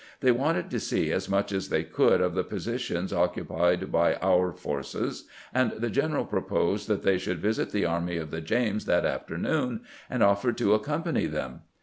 They wanted to see as much as they could of the positions occupied by our forces, and the general proposed that they should visit the Army of the James that afternoon, and offered to accompany them.